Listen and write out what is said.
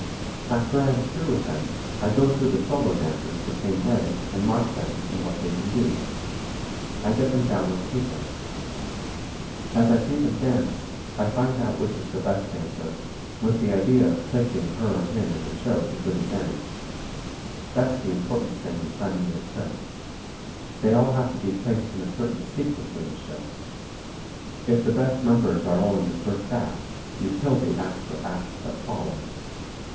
After I am through with them I go through the solo dancers the same way and mark them and what they can do. I get them down on paper. As I see them dance I find out which is the best dancer, with the idea of placing her or him in the show to good advantage. That's the important thing in planning your show. They all have to be placed in a certain sequence in the show. If the best numbers are all in the first act, you kill the act or acts that follow.